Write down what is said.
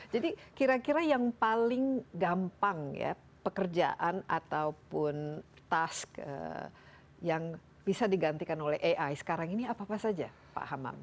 jadi kira kira yang paling gampang ya pekerjaan ataupun task yang bisa digantikan oleh ai sekarang ini apa apa saja pak hamam